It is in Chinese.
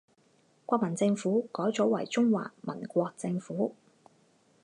国民政府改组为中华民国政府。